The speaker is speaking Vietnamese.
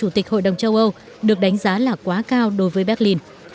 chủ tịch hội đồng châu âu được đánh giá là quá cao đối với berlin